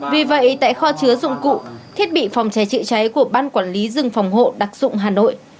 vì vậy tại kho chứa dụng cụ thiết bị phòng cháy chữa cháy của ban quản lý rừng phòng hộ đặc dụng hà nội